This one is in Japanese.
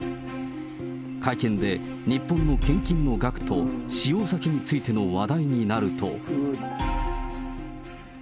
会見で、日本の献金の額と使用先についての話題になると。